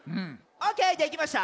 オッケーできました！